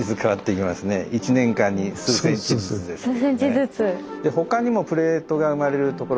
１年間に数センチずつですけどね。